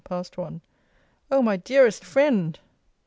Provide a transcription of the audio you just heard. PAST ONE. O MY DEAREST FRIEND!